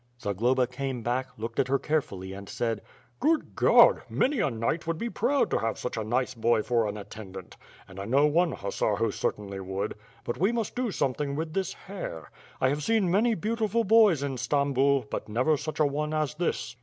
Zagloba came back, looked at her carefully and said: "Good God! many a knight would be proud to have such a nice boy for an attendant; and I know one hussar who cer tainly would, but we must do something with this hair. I have seen many beautiful boys in Stambul, but never such a one as this."